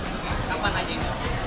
kapan aja itu